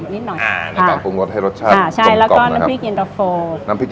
อีกนิดหน่อยนะครับปรุงวัดให้รสชาตินะครับน้ำพริก